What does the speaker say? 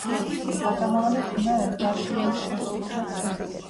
გარდამავალი ზმნა ერგატიულ კონსტრუქციას ქმნის.